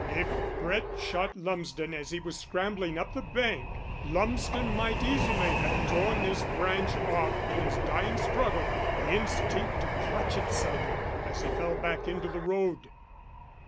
"If Brett shot Lumsden as he was scrambling up the bank, Lumsden might easily have torn this branch off in his dying struggle the instinct to clutch at something as he fell back into the road."